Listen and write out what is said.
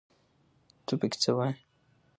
ته پکې څه وايې